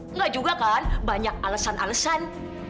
enggak juga kan banyak alesan alesan